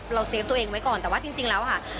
เซฟตัวเองไว้ก่อนแต่ว่าจริงแล้วค่ะ